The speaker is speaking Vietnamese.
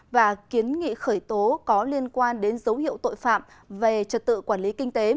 và kiến nghị khởi tố có liên quan đến dấu hiệu tội phạm về trật tự quản lý kinh tế